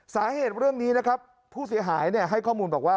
สาเหตุเรื่องนี้นะครับผู้เสียหายให้ข้อมูลบอกว่า